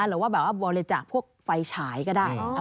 หรือว่าแบบว่าบริจาคพวกไฟฉายก็ได้